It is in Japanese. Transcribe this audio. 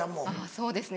そうですね